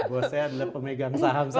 bos saya adalah pemegang saham saya